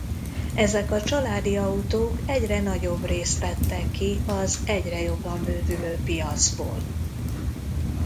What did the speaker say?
Ezek a családi autók egyre nagyobb részt tettek ki az egyre jobban bővülő piacból.